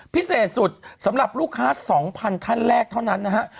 พิเศษสุดสำหรับลูกค้า๒๐๐ท่านแรกเท่านั้นนะฮะ